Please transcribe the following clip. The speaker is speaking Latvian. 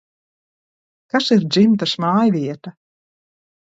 Kas ir dzimtas mājvieta?